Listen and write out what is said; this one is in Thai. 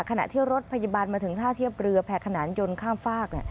ขณะที่รถพยาบาลมาถึงท่าเทียบเรือแผ่ขนานยนต์ข้ามฝาก